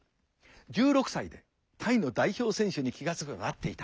１６歳でタイの代表選手に気が付けばなっていた。